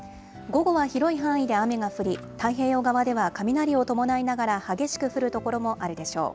午後は広い範囲で雨が降り、太平洋側では雷を伴いながら激しく降る所もあるでしょう。